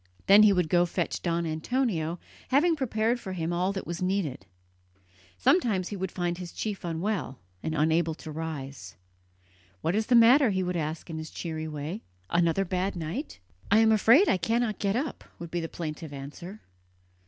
Then he would go to fetch Don Antonio, having prepared for him all that was needed. Sometimes he would find his chief unwell and unable to rise. "What is the matter?" he would ask in his cheery way "another bad night?" "I am afraid I cannot get up," would be the plaintive answer.